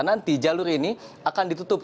nanti jalur ini akan ditutup